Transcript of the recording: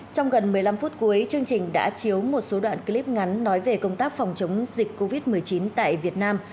trong gần một mươi năm phút cuối chương trình đã chiếu một số đoạn clip ngắn nói về công tác phòng chống dịch covid một mươi chín tại việt nam